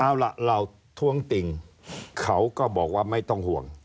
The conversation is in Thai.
เอาล่ะเราท้วงติ่งเขาก็บอกว่าไม่ต้องห่วง